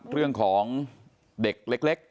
เรื่องของเด็กเล็ก